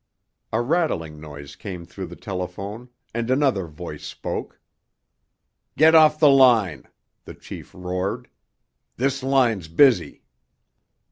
A rattling noise came through the telephone, and another voice spoke. "Get off the line!" the chief roared. "This line's busy."